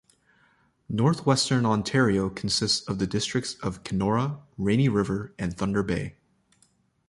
Northwestern Ontario consists of the districts of Kenora, Rainy River and Thunder Bay.